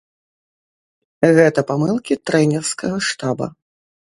Гэта памылкі трэнерскага штаба.